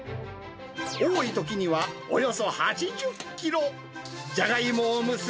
多いときには、およそ８０キロ。